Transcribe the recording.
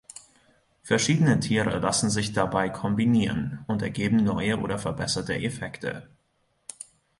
Verschiedene Tiere lassen sich dabei kombinieren, und ergeben neue oder verbesserte Effekte.